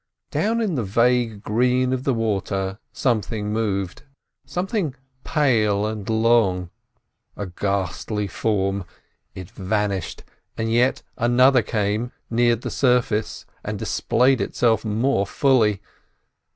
Down in the vague green of the water something moved, something pale and long—a ghastly form. It vanished; and yet another came, neared the surface, and displayed itself more fully.